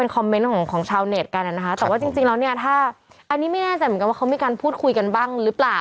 เขามีการพูดคุยกันบ้างหรือเปล่า